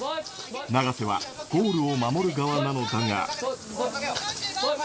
永瀬は、ゴールを守る側なのだが。